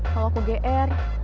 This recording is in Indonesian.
kalau aku gr